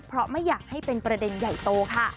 เพราะไม่อยากให้เป็นประเด็นใหญ่โตค่ะ